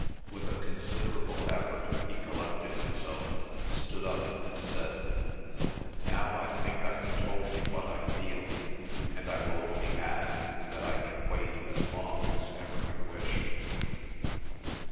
With a considerable effort he collected himself, stood up, and said, "Now I think I have told you what I feel, and I will only add that I can wait as long as ever you wish."